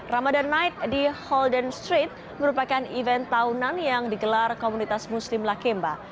ramadan night di holden street merupakan event tahunan yang digelar komunitas muslim lakemba